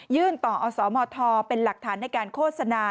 ต่ออสมทเป็นหลักฐานในการโฆษณา